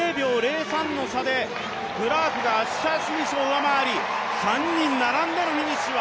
０秒０３の差でクラークがアッシャー・スミスを上回り、３人並んでのフィニッシュ。